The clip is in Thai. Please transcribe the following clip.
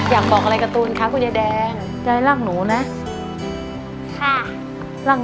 อยากบอกอะไรการ์ตูนค่ะพี่ใยแดงใจร่างหนูนะค่ะร่าง